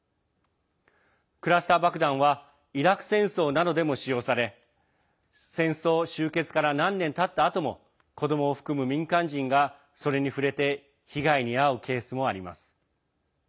クラスター爆弾はイラク戦争などでも使用され戦争終結から何年たったあとも子どもを含む民間人がそれに触れて被害に遭うケースもあります。